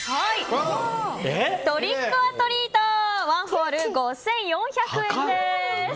トリックオアトリート１ホール、５４００円です。